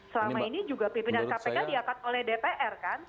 selama ini juga pimpinan kpk diangkat oleh dpr kan